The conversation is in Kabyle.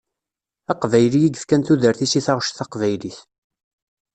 Aqbayli i yefkan tudert-is i taɣuct taqbaylit.